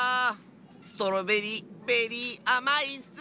ストロベリーベリーあまいッス！